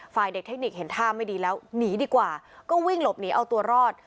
ฝ่ายเด็กเทคนิคเห็นท่าไม่ดีแล้วหนีดีกว่าก็วิ่งหลบหนีเอาตัวรอด